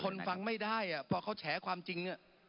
คนฟังไม่ได้พอเขาแฉความจริง